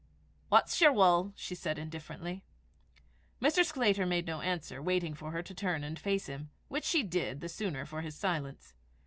"What's yer wull?" she said indifferently. Mr. Sclater made no answer, waiting for her to turn and face him, which she did the sooner for his silence.